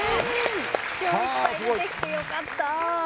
気象いっぱい出てきてよかった。